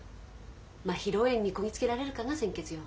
ま披露宴にこぎ着けられるかが先決よ。